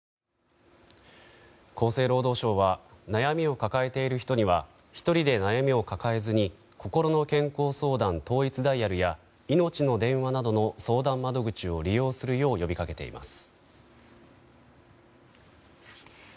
厚生労働省は悩みを抱えている人には１人で悩みを抱えている人にはこころの健康相談統一ダイヤルやいのちの電話などの相談窓口を利用するよう呼びかけています。